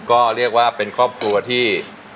ก็เรียกว่าเป็นครอบครัวที่